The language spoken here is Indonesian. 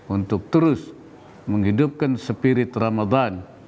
untuk terus menghidupkan spirit ramadan